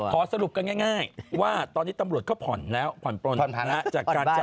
พอสรุปกันง่ายว่าตอนนี้ตำรวจก็ผ่อนแรกแล้วผ้อนพลละ